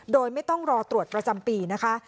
โดยไม่ต้องรอตรวจประจำปีนะคะ